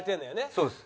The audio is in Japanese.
そうです。